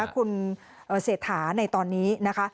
คุณเศรษฐาในตอนนี้นะคะ